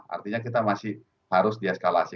artinya kita masih harus dieskalasi